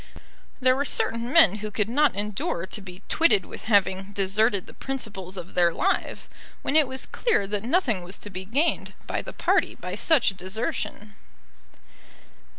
There were certain men who could not endure to be twitted with having deserted the principles of their lives, when it was clear that nothing was to be gained by the party by such desertion.